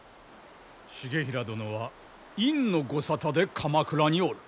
重衡殿は院のご沙汰で鎌倉におる。